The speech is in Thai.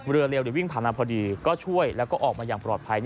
เรือเร็ววิ่งผ่านมาพอดีก็ช่วยแล้วก็ออกมาอย่างปลอดภัย